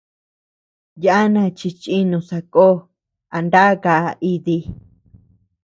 Yana chi chìnu sako a nda kaʼa iti.